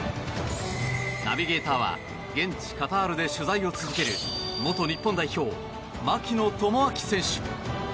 ナビゲーターは現地カタールで取材を続ける元日本代表、槙野智章選手。